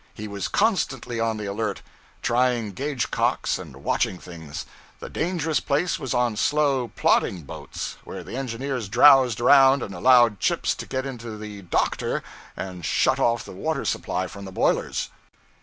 He was constantly on the alert, trying gauge cocks and watching things. The dangerous place was on slow, plodding boats, where the engineers drowsed around and allowed chips to get into the 'doctor' and shut off the water supply from the boilers.